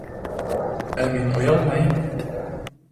Ә мин оялмайым!